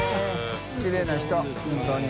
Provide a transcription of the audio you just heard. きれいな人本当に。